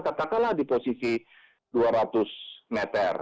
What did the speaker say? katakanlah di posisi dua ratus meter